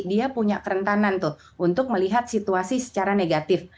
dia punya kerentanan tuh untuk melihat situasi secara negatif